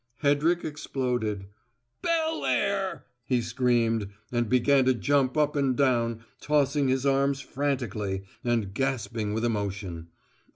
Hedrick exploded. "`_Bel air_'!" he screamed, and began to jump up and down, tossing his arms frantically, and gasping with emotion.